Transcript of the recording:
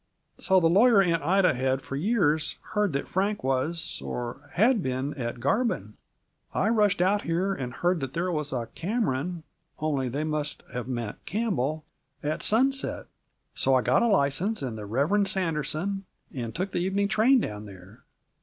So the lawyer Aunt Ida had for years, heard that Frank was or had been at Garbin. I rushed out here, and heard that there was a Cameron (only they must have meant Campbell) at Sunset. So I got a license, and the Reverend Sanderson, and took the evening train down there.